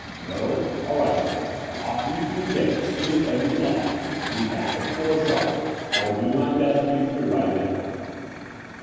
"No? All right then. Off you two get as soon as ever you like, and be back at four sharp. I will do my best to be through by then."